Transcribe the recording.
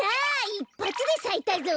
いっぱつでさいたぞ！